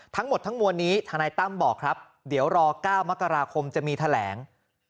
ทั้งหมดทั้งมวลนี้ธนายตั้มบอกครับเดี๋ยวรอ๙มกราคมจะมีแถลง